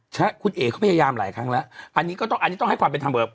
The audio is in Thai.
ใช่คุณเอ๋เขาพยายามหลายครั้งแล้วอันนี้ก็ต้องอันนี้ต้องให้ความเป็นธรรมกับ